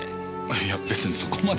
いや別にそこまで。